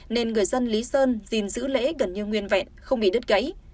nên người dân lý sơn gìn giữ lễ gần như nguyên vẹn không bị đứt gãy